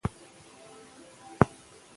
د ناپوهۍ له منځه وړل د پوهې له لارې شوني دي.